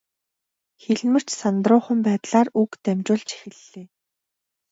Хэлмэрч сандруухан байдлаар үг дамжуулж эхэллээ.